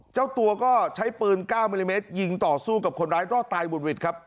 เจ้าตัวก็ใช้ปืน๙มิลลิเมตรยิงต่อสู้กับคนร้ายรอดตายบุดหวิดครับ